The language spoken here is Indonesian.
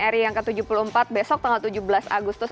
ri yang ke tujuh puluh empat besok tanggal tujuh belas agustus